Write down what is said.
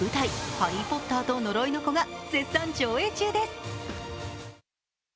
「ハリー・ポッターと呪いの子」が絶賛上演中です。